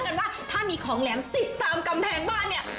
โอ้ยเขาเชื่อกันว่าถ้ามีของแหลมติดตามกำแพงบ้านเนี่ย